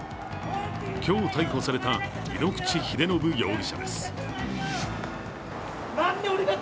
今日、逮捕された井ノ口秀信容疑者です。